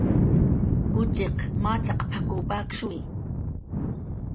"Kuchiq machaq p""ak""w pakshuwi"